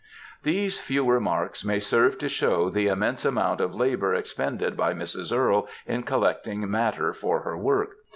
These few remarks may serve to show the immense amount of labour expended by Mrs. Earle in collecting matter for her work.